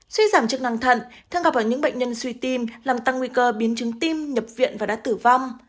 suy giảm chức năng thận thường gặp ở những bệnh nhân suy tim làm tăng nguy cơ biến chứng tim nhập viện và đã tử vong